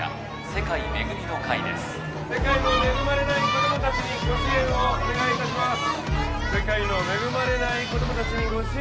世界の恵まれない子供たちにご支援をお願いいたします